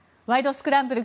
スクランブル」